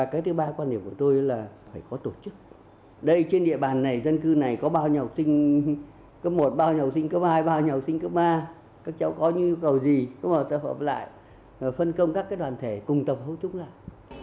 các cháu có nhu cầu gì các cháu hợp lại phân công các đoàn thể cùng tập hỗ trúc lại